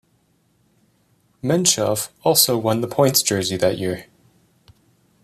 Menchov also won the points jersey that year.